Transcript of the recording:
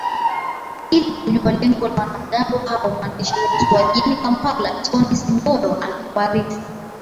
ili kujua lengo la wanamgambo hao mwaandishi wetu wa jijini kampala tony singoro anakuarifu